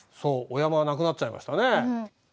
お山なくなっちゃいましたね。